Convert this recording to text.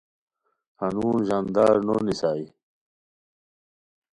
ہنون ژاندار نو نیسائے